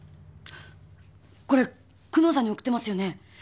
これ久能さんに送ってますよね？